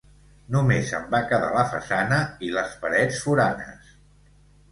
Només en va quedar la façana i les parets foranes.